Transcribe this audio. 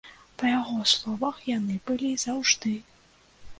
Па яго словах, яны былі заўжды.